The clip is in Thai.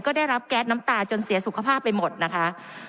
ก็ได้รับแก๊สน้ำตาจนเสียสุขภาพไปหมดนะคะ